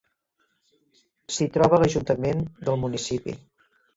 S'hi troba l'ajuntament del municipi.